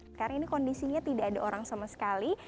sekarang ini kondisinya tidak ada orang sama sekali